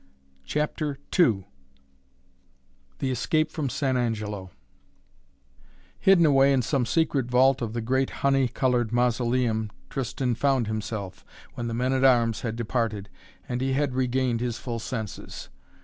CHAPTER II THE ESCAPE FROM SAN ANGELO Hidden away in some secret vault of the great honey colored Mausoleum Tristan found himself when the men at arms had departed, and he had regained his full senses.